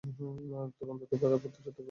দুরন্ত, দুর্বার আর অপ্রতিরোধ্য তার গতি-প্রকৃতি।